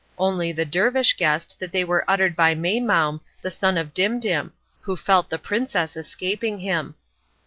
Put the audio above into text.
Only the dervish guessed that they were uttered by Maimoum the son of Dimdim, who felt the princess escaping him.